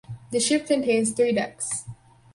The ship contains three decks.